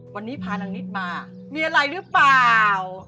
วันนี้พานางนิดมามีอะไรหรือเปล่า